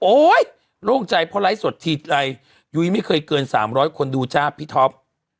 โอ๊ยโล่งใจพอไลฟ์สดทีไหนยุ้ยไม่เคยเกิน๓๐๐ค์คนนดูจ้าพี่ท้อม